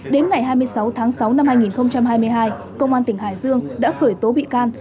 đến ngày hai mươi sáu tháng sáu năm hai nghìn hai mươi hai công an tỉnh hải dương đã khởi tố bị can